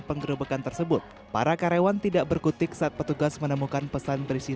penggerebekan tersebut para karyawan tidak berkutik saat petugas menemukan pesan berisi